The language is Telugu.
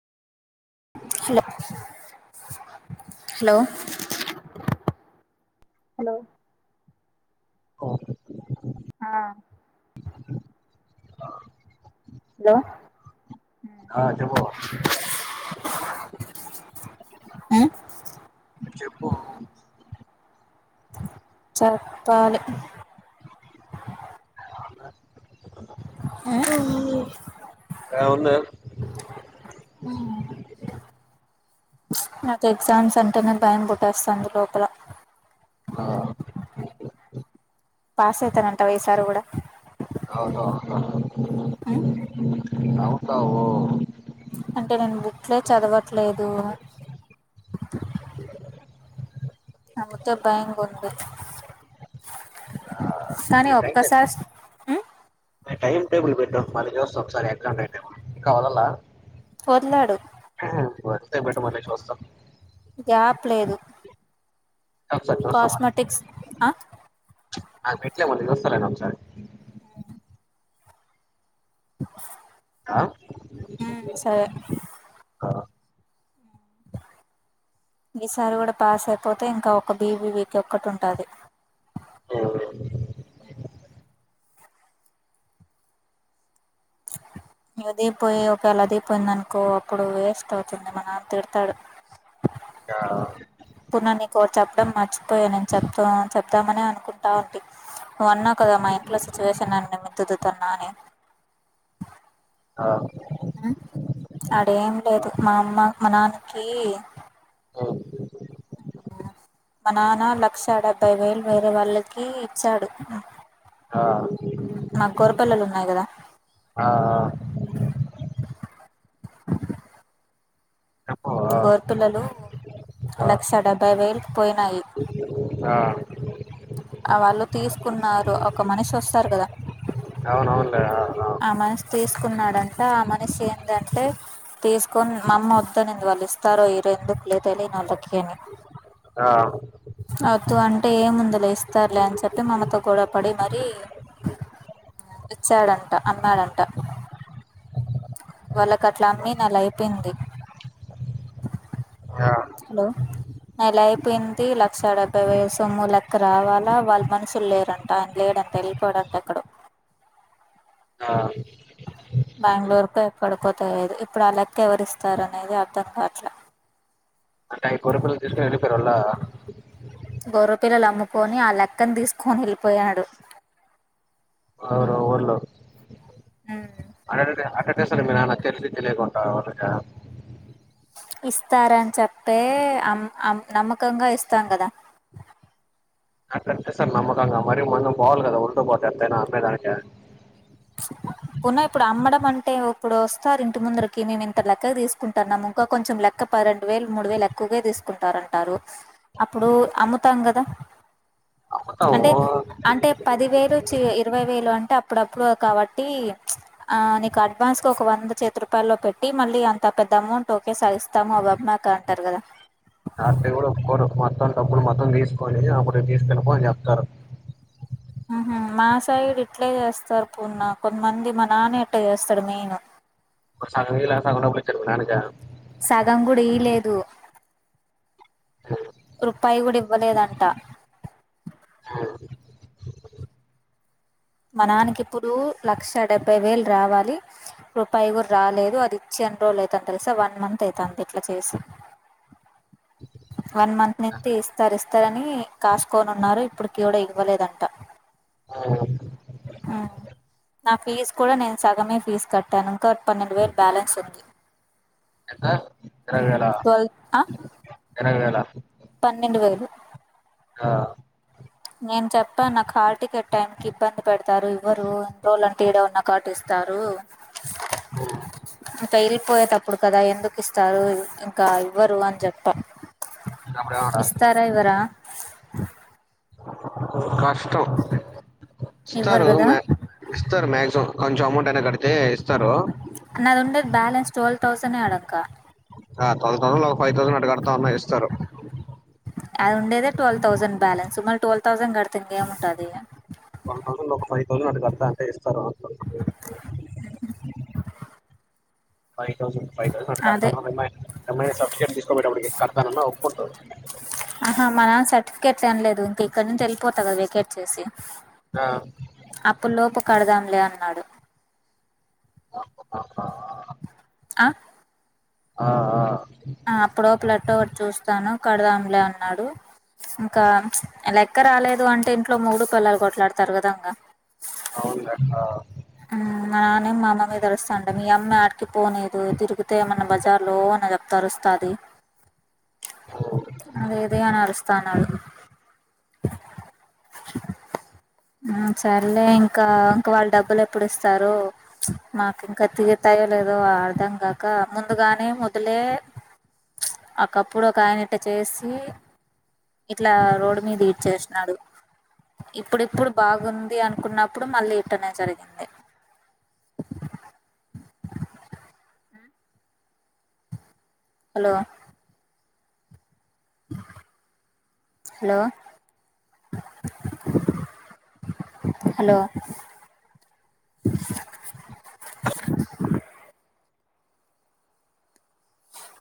హలో హలో హలో ఆ ఆ ఆ హలో ఆ చెప్పు అ చెప్పు చప్పాలి ఏమన్నా నాకు ఎగ్జామ్స్ అంటేనే భయం పుట్టేస్తాంది లోపల ఆ పాస్ అయితానంటవ ఈసారి కూడా అవును అవును ఉమ్ అవుతావు అంటే నేను బుక్లే చదవట్లేదు. అందుకే భయంగా ఉంది కానీ ఈ టైం టేబుల్ ఒక్కసారి హ్ మళ్లీ చూస్త ఒకసారి ఎక్సామ్ డేట్ ఇంకా వదల్లా పోతున్నాడు. వర్క్ టైం పెట్టమను నేను చూస్తా. లేదు చూస్తాం మళ్ళీ కాస్మటిక్స్ ఆ నాకు బెట్లే మళ్లీ చూస్తా నేను ఒక్కసారి. ఆ హ్ సరే ఈసారి కూడా పాస్ అయిపోతే ఇంకా ఒక్క బీబీవీకి ఒక్కటి ఉంటాది. ఇగ ఇదిపోయి ఒకవేళ అదిపోయిందనుకో అప్పుడు వేస్ట్ అవుతుంది మా నాన్న తిడతాడు. అప్పుడు నేను నీకు చెప్పడం మర్చిపోయా నేను చెప్త చెప్దామని అనుకుంటా ఉంటి. నువ్వు అన్నావ్ కదా మా ఇంట్లో సిచ్యువేషన్ అన్ని మిద్దుతున్నా అని. ఆ అడేం లేదు మా అమ్మ, మా నాన్నకి ఉమ్, మా నాన్న లక్షాడెబ్బైవేలు వేరే వాళ్ళకి ఇచ్చాడు. ఆ న్నాయికదా ఆ ఆ చెప్పు ఆ గోరు పిల్లలు ఆ లక్ష డెబ్బై వేలు పోయినాయి ఆ వాళ్ళు తీసుకున్నారు ఒక మనిషి వస్తారు కదా అవునవునులే తీసుకున్నారంటే ఆ మనిషి ఏంటంటే తీసుకొని మామ్మ వద్దనిందు వాళ్ళు ఇస్తారో ఈరు ఎందుకు లేద తెలిని వాళ్ళకి అని ఆ వద్దు అంటే ఏ ముందులే ఇస్తారులే అని చెప్పి మమతో గ పడి మరీ ఇచ్చాడంట అమ్మాడంట వాళ్ళకి అట్లా అమ్మి నెల అయిపోయింది ఆ హలో నెల అయిపోయింది లక్షా డెబ్బై వయ సొమ్ము లెక్క రావాలా వాళ్ళ మనుషులు లేరంట ఆయన లేడంటే వెళ్ళిపోడంట అక్కడ ఆ. బెంగళూరుకు ఎక్కడిపోతా లేదు ఇప్పుడు ఆ లెక్క ఎవరిస్తారు అనేది అర్థం కా అట్లా అ కో రూపాయలు తీసుకు వెళ్డిపోయారుళా గొర్ర పిల్లలు అమ్ముకొని ఆ లెక్కని తీసుకొని వెళ్ళిపోయాడు ఎవరు ఊర్లో ఉమ్ అక్కటి అసలు మీరు అన్న తెలిసి తెలియకుంటా వాళ్ళగా ఇస్తారని చెప్పే అమ్ అమ్ నమ్మకంగా ఇస్తాం కదా అట్టట్టేసారు నమ్మకంగా మరి మొనం పోవాలి కదా ఉరటపోతే ఎంతైనా అంతే దానిక పోున ఇప్పుడు అమ్మడం అంటే ఇప్పుడు వస్తారు ఇంటి ముందరికి మేము ఇంత లెక్క తీసుకుంటారున్నాము ఇంకా కొంచెం లెక్క ప రెండు వేలు మూడు వేలు ఎక్కువగా తీసుకుంటారు అంటారు అప్పుడు అమ్ముతాం కదా అమ్ముతాము అంటే అంటే పది వేలు ఇరవై వేలు అంటే అప్పుడప్పుడు కాబట్టి నీకు అడ్వాన్స్గా ఒక వంద చేతి రూపాయల్లో పెట్టి మళ్ళీ అంత పెద్ద అమౌంట్ ఓకే సాగిస్తాము అబాబ మాకు అంటారు కదా నా దేవుడు ఒక్కరు ఒక మొత్తం డబ్బులు మొత్తం తీసుకొని అప్పుకి తీసుకెళపో అని చెప్తారు హ మా సైడు ఇట్లే చేస్తారు పున్న కొంతమంది మా నాన్న ఎట్లా చేస్తాడు మెయిన్ సం సగం పారుకు ననుక సగం కూడా ఇయలేదు రూపాయి కూడా ఇవ్వలేదంట మనానికి ఇప్పుడు లక్ష డెబ్బై వేలు రావాలి రూపాయిగురు రాలేదు అది ఇచ్చిన రోజులు అవుతని తెలుసా వన్ మంత్ అవుత అంత ఇట్లా చేసి వన్ మంత్ నుంచి ఇస్తారు ఇస్తారని కాసుకోనున్నారు ఇప్పుడుకీ కూడా ఇవ్వలేదంట నా ఫీస్ కూడా నేను సగమే ఫీస్ కట్టను ఇంకా పన్నెండు వేరు బాలన్స్ అంది ఎద ఎకరాల ఆ ఎర ఎలా పన్నెండు వేలు హా నేను చెప్పా నాకు హార్టికెట్టై టైమికి ఇబ్బంది పెడతారు ఈవ్వరు ఇన్ రోలాంటే ఇదే ఉన్నా కాబటి ఇస్తారు ఓ ఇంకా వెళ్ళిపోయేటప్పుడు కదా ఎందుకు ఇస్తారు ఇంకా ఇవ్వరు అని చెప్పం అప్పుడు ఏమన్నా ఇస్తారా ఇవరా [unintelligible] కా ఇష్టం ఇవ్వరు స్ర్స్తర్ కదా మక్సిమం కొంచం అౌంట్ ఎ కండి నాది ఉండేది బ్యాలెన్స్టోల్ టౌసన్ అడక్క తౌ ఒక ఫైవ్ థౌసండ్ అట్ కడతాన్నా ఇస్తారు అది ఉండేదే ట్వల్ తౌజండ్ బ్యాలెన్స్ మళ్ళీ ట్వెల్వ్ తౌజండ్ కడితంది ఏముంటుంది ఒకైవ్ౌజం అ కడా అంట తర్వాత ఫైవ్ థౌసండ్ ఫైవ్ థౌసండ్ ఆట అదే కడతాన M I M I certificate తీసుకోబోయేటప్పటికి కర్డతానన్న ఒప్పుకుంటావ్ చన్లేదు ఇంక ఇక్కడి నుంచి వెళిపోతా కదా వెేకేట్ చేసి ఆ, అప్పులోపు కడదాంలే అన్నాడు [unintelligible] అ అ ఆ ఆ అప్పుడు ప్లతోటి ఏటోగాట చూస్తాను కడదాంలే అన్నాడు ఇంకా లెక్క రాలేదు అంటే ఇంట్లో మొగుడు పెళ్లాలు కొట్లాడతారు కదా ఇంగా అవులయింగా ఉ మా నాన్నేం మా అమ్మ మీద అరుస్తాంట మీ అమ్మ ఆడికి పోనీదు తిరిగితే ఏమన్నా బజార్లో అన్న చెప్తరుస్తది అదేఇది అనరస్త అన్నాడు మ్.. సర్లే ఇంకా ఇంక వాళ్ళ డబ్బులు ఎప్ ప్పుడు ఇస్తారో చు మాకు ఇంకా తీరుతాయో లేదో అర్థం కాక ముందుగానే ముదులే చ ఒకప్పుడు ఒక ఆయన ఇట్ట చేసి ఇట్లా రోడ్ మీద ఈడ్చేసినాడు ఇప్పుడిప్పుడు బాగుంది అనుకున్నప్పుడు మళ్ళీ ఇట్టనే జరిగింది ఎ [unintelligible] హాలో హాలో హాలో